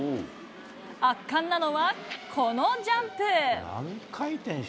圧巻なのはこのジャンプ。